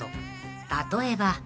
［例えば］